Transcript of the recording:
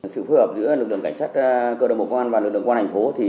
sự phối hợp giữa lực lượng cảnh sát cơ động bộ công an và lực lượng quân hành phố